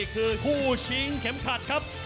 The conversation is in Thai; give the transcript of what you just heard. คือคู่ชิงเข็มขัดครับ